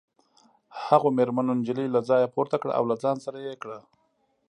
هغو مېرمنو نجلۍ له ځایه پورته کړه او له ځان سره یې کړه